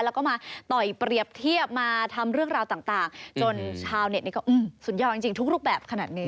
แล้วก็มาต่อยเปรียบเทียบมาทำเรื่องราวต่างจนชาวเน็ตนี้ก็สุดยอดจริงทุกรูปแบบขนาดนี้